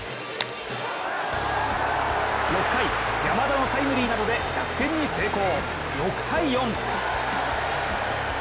６回、山田のタイムリーなどで逆転に成功、６−４。